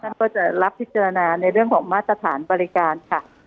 ก็จะรับพิจารณาในเรื่องของมาตรฐานบริการค่ะ